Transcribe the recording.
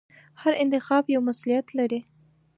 هر انتخاب یو مسؤلیت لري.